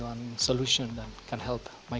menemukan solusi yang bisa membantu negara saya